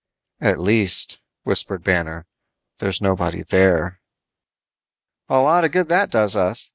"At least," whispered Banner, "there's nobody there." "A lot of good that does us.